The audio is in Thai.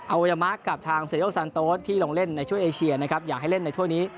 วัยมะกับทางเซโยซานโต๊ดที่ลงเล่นในช่วยเอเชียนะครับอยากให้เล่นในถ้วยนี้